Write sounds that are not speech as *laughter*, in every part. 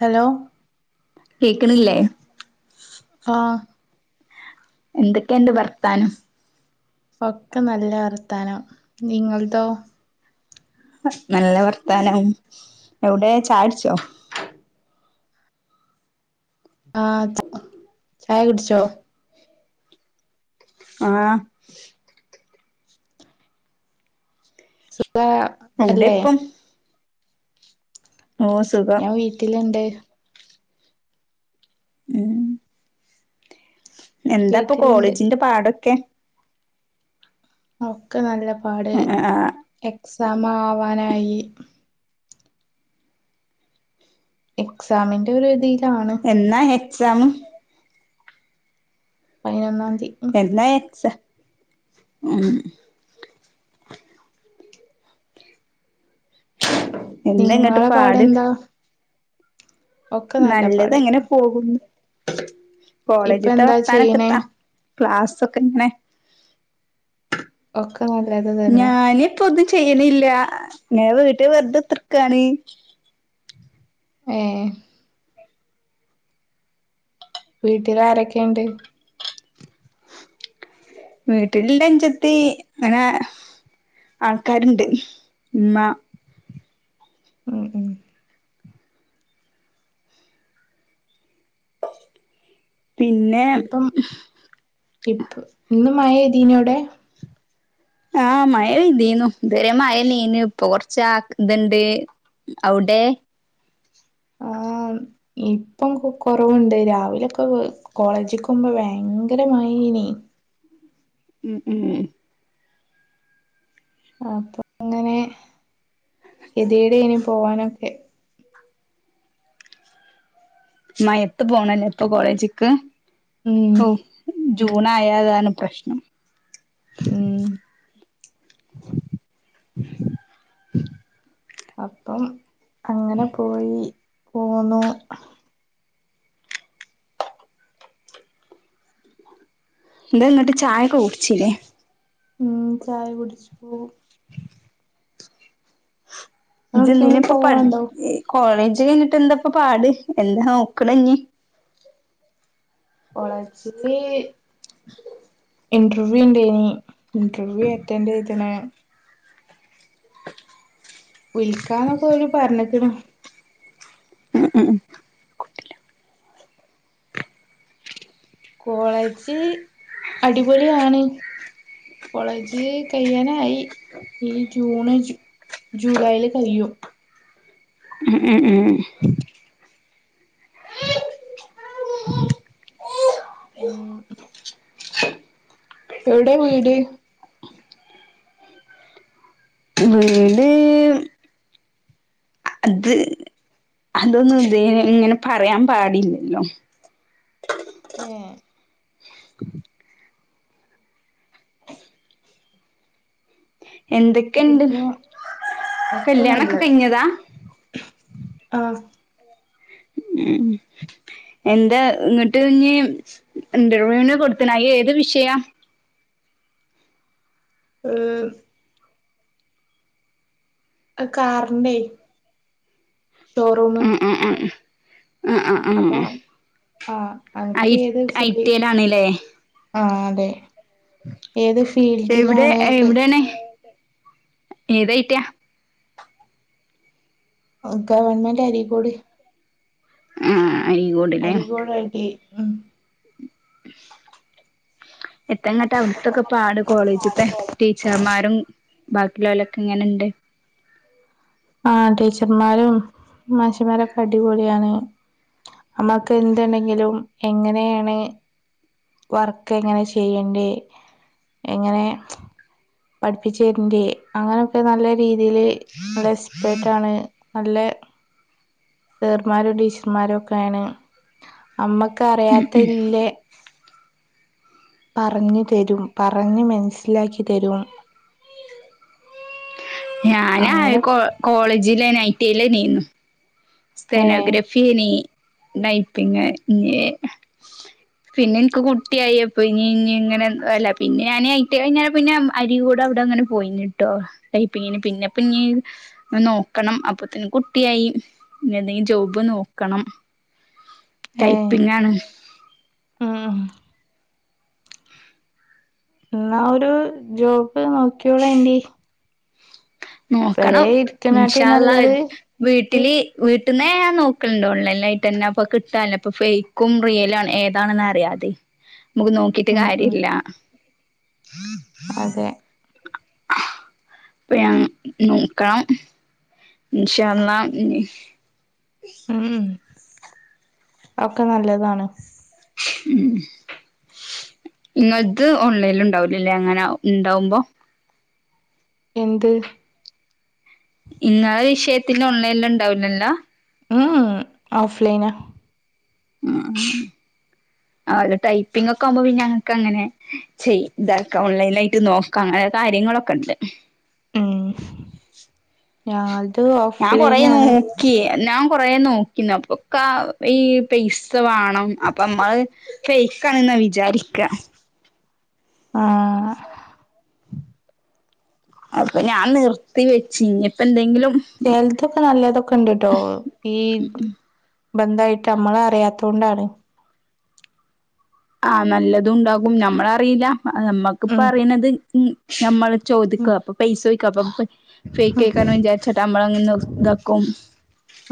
hello കേക്കണില്ലേ ആഹ് എന്തക്കെണ്ട് വർത്താനം ഒക്കെ നല്ല വർത്താനം നിങ്ങൾതോ നല്ല വർത്താനം എവിടെ ചായ്ടുചോ ആ ചായകുട്ച്ചോ ആ അ ഇവിടെ അല്ലേ ഇപ്പം ഓ സുഖം ഞാൻ വീട്ടിലുണ്ട് ഉം എന്താപ്പൊ വീട്ടിലുണ്ട് കോളേജിന്റെ പാടൊക്കെ ഒക്കെ നല്ല പാട് ആഹ് എക്സാം ആവാനായി എക്സാമിൻ്റൊരുതി എന്നാ എക്സാം പയ്നോന്നാന്തി എന്നാ എക്സാ ഉം എന്താങ്ങട്ട് നിങ്ങളെ പാട് പാടെന്താ ഒക്കെ നല്ല നല്ലത് പാട് ങ്ങനെ പോകുന്നു ഇപ്പൊ കോളേജ്ത്തെ എന്താ വർത്താനൊക്കെ ചെയ്യണേ ത്താ ക്ലാസ്സൊക്കെ ങ്ങനെ ഒക്ക് ഞാന്പ്പൊന്നും ചെയ്യണില്ല ങ്ങനെ വീട്ടിൽ വെറുതെതൃക്കാണ് ഏ വീട്ടില് ആരൊക്കെണ്ട് വീട്ടില് ന്റെ അഞ്ചെത്തി അങ്ങനെ ആൾക്കാരുണ്ട് ഉമ്മ ഉം ഉം പിന്നെ ഇപ്പം ഇപ്പ ഇന്ന് മയപെയ്തീന്നോ അവിടെ ആഹ മഴ പെയതീന്നു ഇതുവരെ മഴന്നേന്നു ഇപ്പൊ കൊറച്ച ആക ഇത് ണ്ട് അവിടെ ആഹ് ഇപ്പം കുറവുണ്ട് രാവിലൊക്കെ കോളേജ് പോക്മ്പോ ഭയങ്കരമായി പിന്നെയ് ഉം ഉം അപ്പൊ അങ്ങനെ എതിടെ ഇനി പോവാനൊക്കെ മഴയത്ത് പോണല്ലേ ഇ പ്പൊ കോളേജ് ക്ക് ഉം ജൂൺ ആയതാണ പ്രശ്നം ഉം അപ്പം അങ്ങനെ പോയി പോന്നു എന്താ ഇങ്ങട്ട് ചായൊക്കെ കുടിച്ചില്ലേ ഉം ചായ കുടിച്ചു ഇജ്ജ് നിങ്ങളെവിടേക്കെങ്കിലും എന്തിനാപ്പൊ പട് പോവാണ്ടോ കോളജ ഇത് കഴിഞ്ഞിട്ട് എന്താപ്പ പാട് എന്താ നോക്കണഞ്ഞി കോളേജില് ഇന്റർവ്യൂ ഉണ്ടേനി ഇന്റർവ്യൂ അറ്റൻഡ് ചെയ്ത്ണ് വിളിക്കാന്നൊക്കെ ഓല് പറഞ്ഞിക്ക്‌ണ് ഹ് ഹ് കോളേജ് അടിപൊളി ആണ് കോളേജ് കയ്യാനായി ഈ ജൂണ് ജൂലൈയില് കഴിയും ഉ ഉം ഉം ഉം എവിടെ വീട് വീട് അത് അതൊന്നും ഇതില് ഇങ്ങനെ പറയാൻ പാടില്ലല്ലോ ഏഹ് എന്തെക്കെണ്ട് പിന്നെ ഒക്കെ കല്യാണൊക്കെ നല്ലത് കഴിഞ്ഞതാ ആഹ് ഉം എന്താ ഇങ്ങിട്ട് ഇഞ്ഞ് ഇന്റർവ്യൂന് കൊടുത്തിലെ ആയി ഏത് വിഷയം ഉം അത് കാറിന്റെ ഷോറൂമ് ഹ് ഹ് ഹ് അപ്പൊ ആ ഐ അനക്ക് ഏത് ഐ ടി *unintelligible* ഐലാണ്ല്ലേ ആ അതെ ഏത് എവിടെ ഫീൽഡിലാണ് ഇത് എവിടേണ് ഏത് എയ്ട്ടിയ ഗവൺമെന്റ് അരീക്കോട് ആഹ അരീക്കോട കിട്ടി ഉം എത്തങ്ങട്ട് അവിടത്തൊക്കെ പാട് കോളേജത്തെ ടീച്ചർമാരും ബാക്കിള്ളോലൊക്കെ എങ്ങനെണ്ട് ആ ടീച്ചർമാരും മഷിമാരൊക്കെ അടിപൊളിയാണ് നമ്മക്ക് എതുണ്ടെങ്കിലും എങ്ങനെയാണ് വർക്ക് എങ്ങനെ ചെയ്യണ്ടേ എങ്ങനെ പഠിപ്പിച്ചു തരണ്ടേ അങ്ങനെയൊക്കെ നല്ല രീതി ഇതിൽ നല്ല എസ്പേട്ടാണ് നല്ല സർമാരോ ടീച്ചർമാരോ ഒക്കെയാണ് നമ്മക്ക് അറിയാത്തല്ലേ പറഞ്ഞു തരും പറഞ്ഞ് മനസ്സിലാക്കി തരും ഞാന *unintelligible* അങ്ങനെ കോളേജില ഐറ്റയില നീന്നു ഏ സ്റ്റനോഗ്രഫിനി നൈപ്പിങ് ഇ പിന്നെ എനിക്ക് കുട്ടിയായിപ്പ ഇനി ഇനി ഇങ്ങനെ അല്ല പിന്നെ ഞാന ആയിട്ട് കഴിഞ്ഞ പിന്നെ അരി കൂടെ ട്ടങ്ങനെ പോയിനിട്ടോ ടൈപ്പിങ്ങിന് പിന്നെപ്പഞ് നോക്കണം അപ്പത്തിന് കുട്ടിയായി എന്തെങ്കിലും ജോബ് നോക്കണം ഏ ടൈപ്പിംങ്ങാണ് ഉം എന്നാ ഒരു ജോബ് നോക്യോളണ്ടി നോക്കണം ഇരിക്കണാട്ടി ഇൻശാ അല്ലാഹ് നല്ലത് വീട്ടില് വീട്ട് ട്ട്ന്നേ ഞാൻ നോക്കലണ്ട്ോ ഓൺലൈനായിട്ട് തന്നെ അപ്പൊ കിട്ടല്ലോ അപ്പൊ ഫെയ്ക്കും റിയലും ഏതാണെന്ന് അറിയാതെ നമുക്ക് നോക്കിട്ട് ഉം ഉം കാര്യല്ല അതെ അപ്പൊ ഞാൻ നോക്കാം ഇൻശാ അല്ലാഹ് ഉം ഒക്കെ നല്ലതാണ് ഉം ഇങ്ങൾത് ഓൺലൈൻല് ണ്ടാവുലല്ലേ അങ്ങനെ ണ്ടാവുമ്പോ എന്ത് ഇന്നെ വിഷയത്തി ഓൺലൈനില് ണ്ടാവുലല്ലോ ഓഫ്ലൈന ആ ആല്ലോ ടൈപ്പിംങ്ങൊക്കാവുമ്പോ പിന്നെ ഞങ്ങക്കങ്ങനെ ചെയ ഇതാക്ക ഓൺലൈന ആയിട്ട് നോക്കാം അങ്ങനെ കാര്യങ്ങളൊക്കെ ഉണ്ട് ഉം ഞാൾത് ഞാൻ കൊറെ ഓഫ്‌ലൈനാണ് നോക്കി ഞാൻ കൊറേ നോക്കിന്നു അപ്പൊക്ക ഈ പൈസ വേണം അപ്പ അഹ് ഫേക്കണന്നാ വിചാരിക്ക ആ അപ്പൊ ഞാൻ നിർത്തി വെച്ചു ഇനിപ്പെന്തെങ്കിലും ചെൽതൊക്കെ നല്ലതൊക്കെണ്ട്ട്ടോ ഈ ബന്ധായിട്ട് നമ്മളറിയാതോണ്ടാണ് ആ നല്ലതുണ്ടാകും ഞമ്മളറീല്ല നമ്മക്ക് ഇപ്പ ഉം അറിണത് നമ്മൾ ഉം ചോദിക്ക അപ്പൊ പൈസോയ്ക്ക അപ്പ ഫേക്കെയ്ക്കാരം വിചാരിചട്ട് നമ്മള ങ്ങ് ഇതാക്കും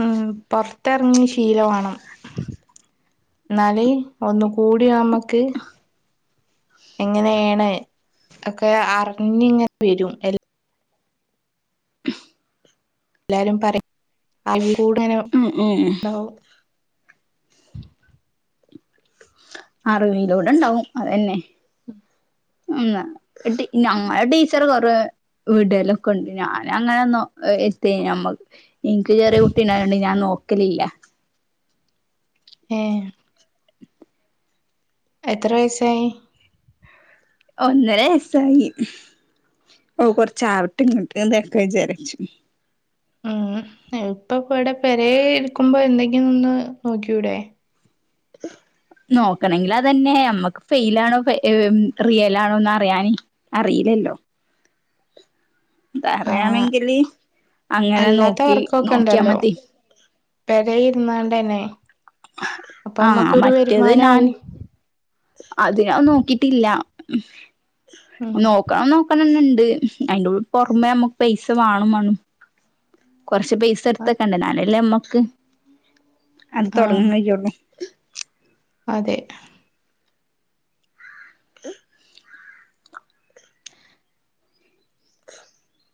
ഉം പൊർത്തർങ്ങി ശീലം വാണം എന്നാലേ ഒന്ന് കൂടിയമ്മക്ക് എങ്ങനെയാണ് ഒക്കെ അറിഞ്ഞിങ്ങനെ വരും എ എല്ലാരും പറിം *unintelligible* ഉം ഉം അറിവിലൂടെ ണ്ടാവും അതന്നെ ഞങ്ങളെ ടീച്ചർ കൊറെ വിടലൊക്കെ ണ്ട് ഞാൻ അങ്ങനെന്നൊ എത്തെ നമ്മക്ക് ഇൻക്ക് ചെറ്യേ കുട്ടി ണ്ടായൊണ്ട് ഞാൻ നോക്കലില്ല ഏ എത്ര വയസായി ഒന്നര വയസായി ഓ കൊർച്ച് ആവിട്ടെ ങ്ങട്ട് ഇതൊക്കെ വിചാരിച്ചു ഉം ഇപ്പൊ പ്പടെ പെരേ ഇരിക്കുമ്പോ എന്തെങ്കിലും ഒന്ന് നോക്കിയൂടേ നോക്കണെങ്കിൽ അതന്നെ നമ്മുക്ക് ഫെയ്ൽ ആണോ റിയലാണോന്ന് അറിയാന് അറിയിലല്ലോ ആഹ് അതറിയാണെങ്കില് അങ്ങനെ അല്ലാത്ത നോക്കി നോക്കിയാ മതി പെരയ് ഇര്ന്നാണ്ടന്നെ അപ്പൊ അമ്മക്കൊരു വരുമാനാവും അത് ഞാൻ നോക്കിട്ടില്ല ഉം നോക്കണം നോക്കണംന്ന്ണ്ട് ണ്ട്‌ അയ്ന്റെ പൊർമേ മക്ക് പൈസ വേണം വാണും കുറച്ച് പൈസ എടുത്തക്കണ്ടെ ന്നാലല്ലേ മ്മക്ക് അത് ആഹ് തുടങ്ങക്കയ്യൊള്ളു അതെ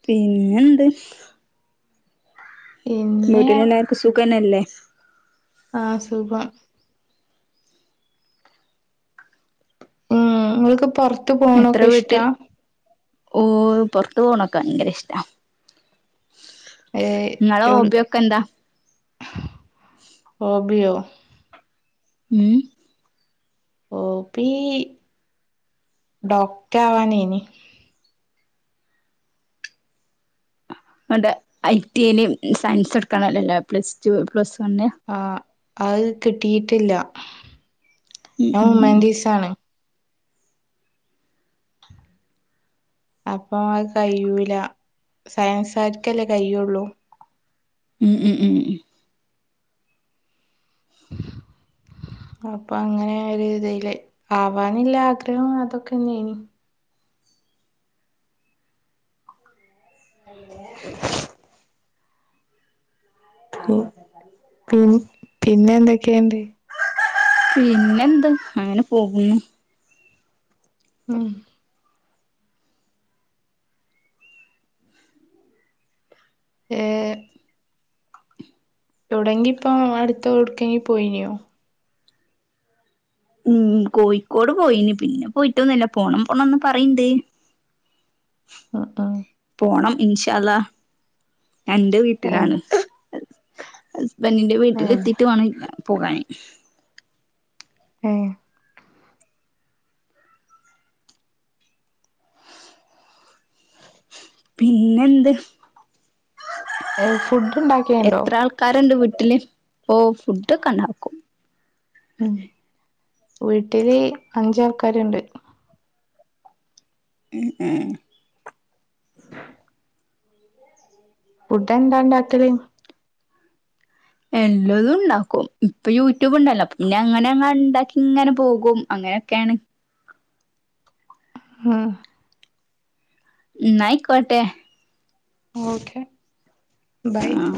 പിന്നെന്ത്‌ പിന്നെ വീട്ടിലെല്ലാർക്കും സുഖന്നല്ലേ ആഹ് സുഖം ഉം നിങ്ങക്ക് പൊറത്തു എത്ര പോണൊക്കെ വീട്ടിൽ ഇഷ്ടാ ഓ പൊറത്തു പോണൊക്കെ ഭയങ്കര ഇഷ്ടാ ഏഹ് ങ്ങളെ എവി ഹോബിയൊക്കെ എന്താ ഹോബിയോ ഉം hobby doctor ആവാനേനി *unintelligible* I T യില് സയൻസ് എടുക്കാണല്ലല്ലോ പ്ലസ് ടു പ്ലസ് വണ് ആഹ് അത് കിട്ടിയിട്ടില്ല ഉം ഞാൻ ഹ്യൂമാൻറ്റീസാണ് അപ്പൊ അത് കഴ്യൂല സയൻസാരിക്കല്ലേ കയ്യുള്ളൂ ഉം ഉം ഉം അപ്പൊ അങ്ങനെ ഒരു ഇതീല് ആവാനില്ല ആഗ്രഹം അതൊക്കെന്നനി പി പിന്നെ എന്തൊക്കെയണ്ട് പിന്നെന്ത് അങ്ങനെ പോകുന്നു ഉം ഏ തുടങ്കിപ്പൊ അടുത്തടുക്കെങ്കി പോയിനോ ഉം കോഴിക്കോട് പോയിന് പിന്നെ പോയിട്ടൊന്നുല്ല പോണം പോണംന്ന് പറയണ്ട് *unintelligible* പോണം ഇൻഷഅല്ലാഹ് ഞാൻന്റെ ഏ വീട്ടിലാണ് ബെന്നിന്റെ ഏ വീട്ടിലെത്തിട്ട് വേണം പോകാന് ഏഹ് പിന്നെന്ത് ഏ ഫുഡ് ഉണ്ടാക്കിയണ്ടോ എത്ര ആൾക്കാരുണ്ട് ട്ടില് ഓ ഫുഡൊക്കണ്ടാക്കും ഉം വീട്ടില് അഞ്ചാൾക്കാരുണ്ട് ഉം ഫുഡ്‌ എന്താണ്ടാക്കല് എല്ലതുംണ്ടാക്കും ഇപ്പൊ യൂട്യൂബ് ഉണ്ടല്ലോ പിന്ന അങ്ങനെ അങ്ങ ഉണ്ടാക്കിങ്ങനെ പോകും അങ്ങനെയൊക്കെയാണ് ആഹ് ന്നായിക്കട്ടെ ഓക്കെ ബൈ ആഹ്